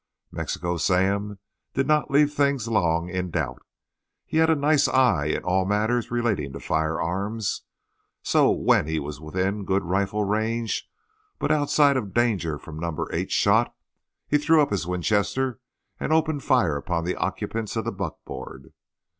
Mexico Sam did not leave things long in doubt. He had a nice eye in all matters relating to firearms, so when he was within good rifle range, but outside of danger from No. 8 shot, he threw up his Winchester and opened fire upon the occupants of the buckboard.